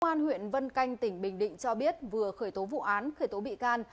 cơ quan huyện vân canh tỉnh bình định cho biết vừa khởi tố vụ án khởi tố bị can